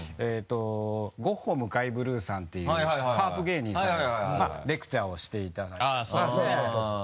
ゴッホ向井ブルーさんっていうカープ芸人さんにレクチャーをしていただいたりとかね。